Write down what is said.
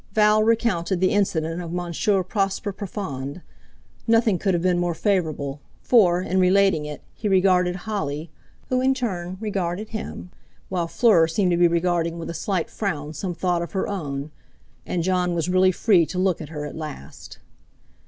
Val recounted the incident of Monsieur Prosper Profond; nothing could have been more favourable, for, in relating it, he regarded Holly, who in turn regarded him, while Fleur seemed to be regarding with a slight frown some thought of her own, and Jon was really free to look at her at last.